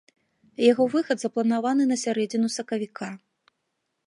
Яго выхад запланаваны на сярэдзіну сакавіка.